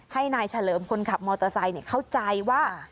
ให้นายเฉลิมคนขับมอเตอร์ไซค์เข้าใจว่า